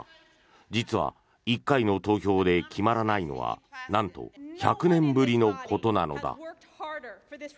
実は１回の投票で決まらないのはなんと１００年ぶりのことなのだ。